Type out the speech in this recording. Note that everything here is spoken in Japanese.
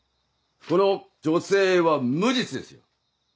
この女性は無実ですよ！